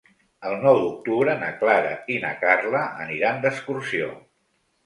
El nou d'octubre na Clara i na Carla aniran d'excursió.